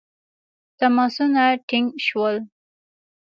تماسونه ټینګ شول.